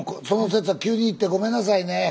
その節は急に行ってごめんなさいね。